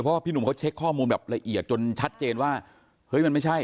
เพราะว่าพี่หนุ่มเขาเช็คข้อมูลแบบละเอียดจนชัดเจนว่าเฮ้ยมันไม่ใช่